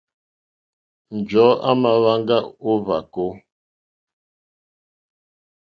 Njɔ̀ɔ́ à mà hwáŋgá ó hwàkó.